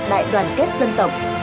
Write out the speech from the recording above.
đại đoàn kết dân tộc